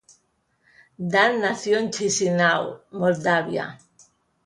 Dan nació en Chisinau, Moldavia.